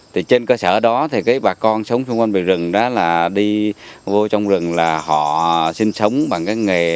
trên cơ sở đó bà con xung quanh bìa rừng đi vô trong rừng là họ sinh sống bằng nghề